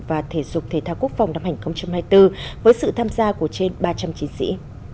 và thể dục thể thao quốc phòng năm hai nghìn hai mươi bốn với sự tham gia của trên ba trăm linh chiến sĩ